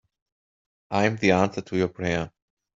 I'm the answer to your prayer.